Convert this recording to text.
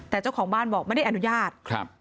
แต่เจ้าของบ้านบอกไม่ได้อนุญาตครับ